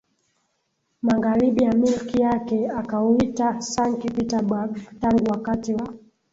magharibi ya milki yake akauita Sankt Peterburg Tangu wakati wa